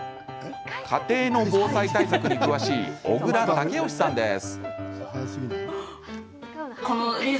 家庭の防災対策に詳しい小倉丈佳さんです。